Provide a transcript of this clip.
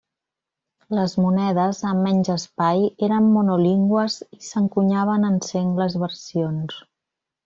Les monedes, amb menys espai, eren monolingües i s'encunyaven en sengles versions.